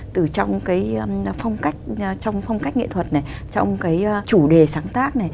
từ trong cái phong cách trong phong cách nghệ thuật này trong cái chủ đề sáng tác này